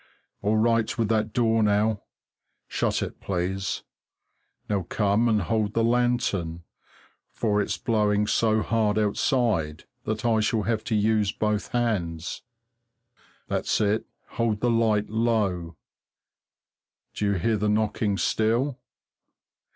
All right with that door now; shut it, please. Now come and hold the lantern, for it's blowing so hard outside that I shall have to use both hands. That's it, hold the light low. Do you hear the knocking still?